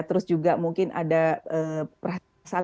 terus juga mungkin ada perasaan